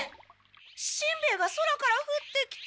しんべヱが空からふってきて。